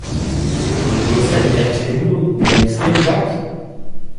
Du gehst da direkt hin und nimmst den Job.